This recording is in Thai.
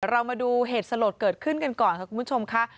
เรามาดูเหตุสลดเกิดขึ้นกันก่อนค่ะคุณผู้ชมค่ะ